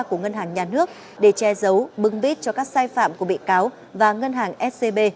của ngân hàng nhà nước để che giấu bưng bít cho các sai phạm của bị cáo và ngân hàng scb